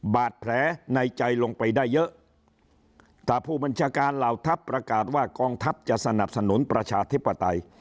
บาดแผลในใจลงไปได้เยอะถ้าผู้บัญชาการเหล่าทัพประกาศว่ากองทัพจะสนับสนุนประชาธิปไตย